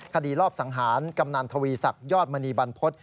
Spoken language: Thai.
คดีรอบสังหารกำนันทวีศักดิ์ยอดมณีบรรพฤษ